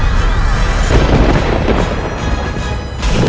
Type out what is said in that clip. jangan pakai griw